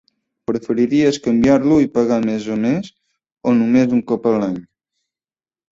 Preferiries canviar-lo i pagar mes a mes o només un cop a l'any?